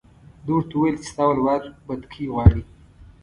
ده ورته وویل چې ستا ولور بتکۍ غواړي.